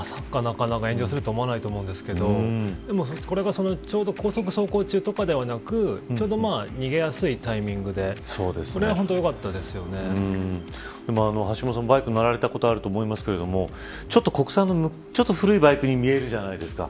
まさかなかなか炎上することもないんですけどでもこれが、ちょうど高速走行中とかではなくちょうど逃げやすいタイミングででも橋下さん、バイク乗られたことあると思いますけどちょっと国産の古いバイクに見えるじゃないですか。